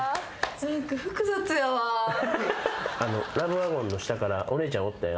ラブワゴンの下からお姉ちゃんおったやん。